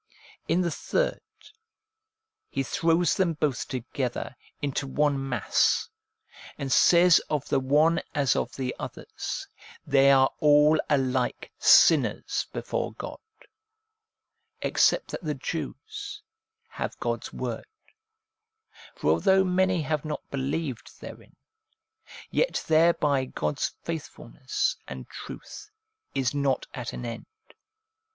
In the third, he throws them both together into one mass, and says, of the one as of the others, they are all alike sinners before God, except that the Jews have God's word ; for although many have not believed therein, yet thereby God's faithfulness and truth is not at an end.